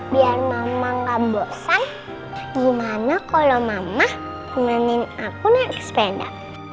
biar mama gak bosen gimana kalo mama pemenin aku naik sepeda